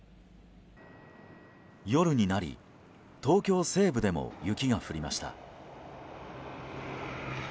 夜になり、東京西部でも雪が降りました。